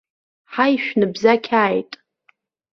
Ҳаи шәныбзақьааит!